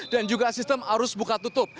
dan juga sistem arus buka tutup